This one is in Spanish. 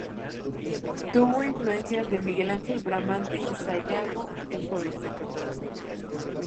Tuvo influencias de Miguel Ángel, Bramante y Sangallo el Joven.